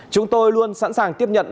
chúng tôi luôn sẵn sàng tiếp nhận